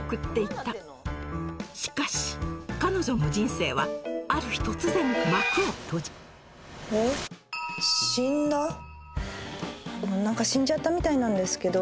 しかし彼女の人生はある日突然幕を閉じん？何か死んじゃったみたいなんですけど。